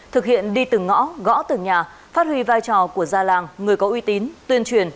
thực hiện đi từng ngõ gõ từng nhà phát huy vai trò của gia làng người có uy tín tuyên truyền